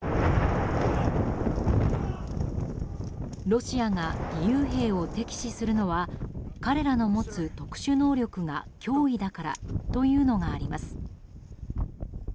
ロシアが義勇兵を敵視するのは彼らの持つ特殊能力が脅威だからというのがあります。